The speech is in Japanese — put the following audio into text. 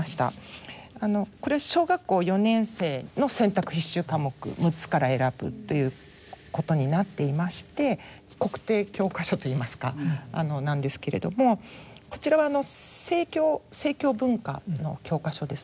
これは小学校４年生の選択必修科目６つから選ぶということになっていまして国定教科書といいますかなんですけれどもこちらは正教正教文化の教科書ですね。